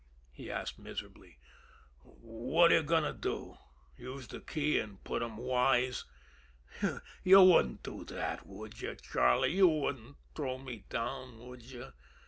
he asked miserably. "What are you going to do? Use the key and put them wise? You wouldn't do that, would you Charlie? You wouldn't throw me down would you?